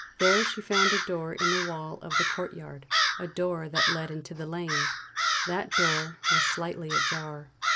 There she found a door in the wall of the courtyard a door that led into the lane. That door was slightly ajar.